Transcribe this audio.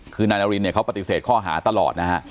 คือนายนารินเนี่ยเขาปฏิเสธข้อหาตลอดนะฮะ